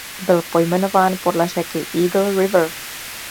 Byl pojmenován podle řeky Eagle River.